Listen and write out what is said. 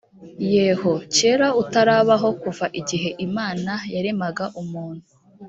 yeho keraa utarabaho kuva igihe imana yaremaga umuntu